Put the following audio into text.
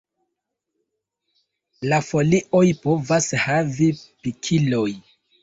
La folioj povas havi pikiloj.